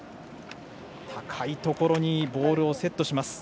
高いところにボールをセットします。